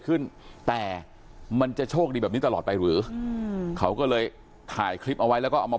ขึ้นแต่มันจะโชคดีแบบนี้ตลอดไปหรืออืมเขาก็เลยถ่ายคลิปเอาไว้แล้วก็เอามา